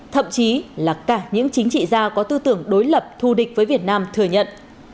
thậm chí là cả những chính trị gia có tư tưởng đối lập thù địch với việt nam thừa nhận